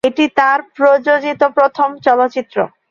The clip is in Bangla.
এটি তার প্রযোজিত প্রথম চলচ্চিত্র।